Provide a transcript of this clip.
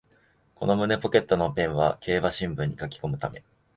この胸ポケットのペンは競馬新聞に書きこむため